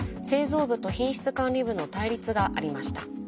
製造部と品質管理部の対立がありました。